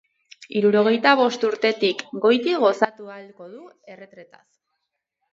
Hirurogeita bost urtetarik goiti gozatu ahalko du erretretaz.